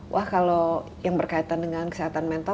wah kalau yang berkaitan dengan kesehatan mental